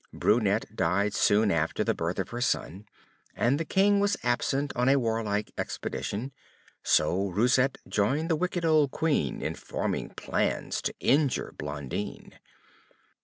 Brunette died soon after the birth of her son, and the King was absent on a warlike expedition, so Roussette joined the wicked old Queen in forming plans to injure Blondine.